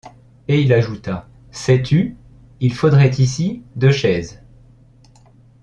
Et il ajouta :— Sais-tu ? il faudrait ici deux chaises.